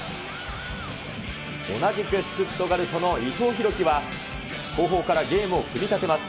同じくシュツットガルトの伊藤洋輝は、後方からゲームを組み立てます。